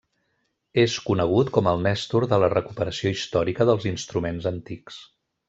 És conegut com el Nèstor de la recuperació històrica dels instruments antics.